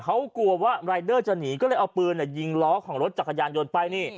เขากลัวว่ารายเดอร์จะหนีก็เลยเอาปืนยิงล้อของรถจักรยานยนต์ไปนี่